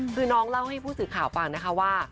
คือน้องเล่าให้ผู้สื่อข่าวฟังนะคะว่า